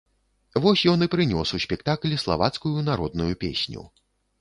Вось ён і прынёс у спектакль славацкую народную песню.